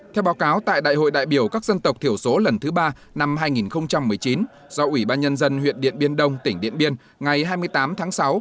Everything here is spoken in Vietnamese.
theo báo cáo tại đại hội đại biểu các dân tộc thiểu số lần thứ ba năm hai nghìn một mươi chín do ủy ban nhân dân huyện điện biên đông tỉnh điện biên ngày hai mươi tám tháng sáu